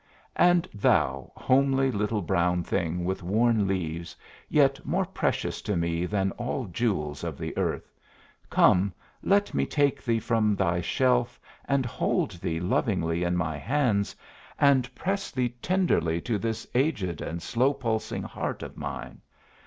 And thou, homely little brown thing with worn leaves, yet more precious to me than all jewels of the earth come, let me take thee from thy shelf and hold thee lovingly in my hands and press thee tenderly to this aged and slow pulsing heart of mine!